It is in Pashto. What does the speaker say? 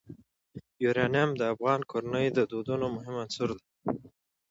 یورانیم د افغان کورنیو د دودونو مهم عنصر دی.